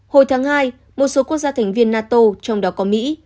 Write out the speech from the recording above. hồi tháng hai một số quốc gia thành viên nato trong đó có mỹ